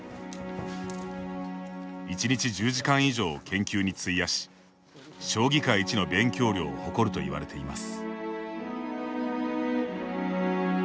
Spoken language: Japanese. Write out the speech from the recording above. １日１０時間以上を研究に費やし将棋界一の勉強量を誇るといわれています。